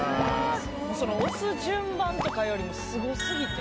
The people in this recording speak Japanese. その押す順番とかよりもスゴすぎて。